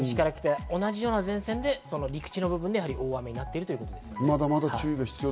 同じ前線で陸地の部分で大雨になっているということですね。